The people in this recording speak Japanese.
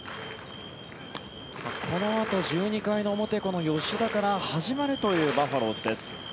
このあと、１２回の表この吉田から始まるというバファローズです。